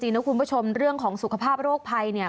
นะคุณผู้ชมเรื่องของสุขภาพโรคภัยเนี่ย